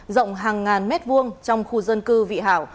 rộng hàng ngàn mét vuông trong khu dân cư vị hảo